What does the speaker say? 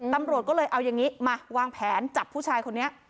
ตำรวจก็เลยเอาอย่างนี้มาวางแผนจับผู้ชายคนนี้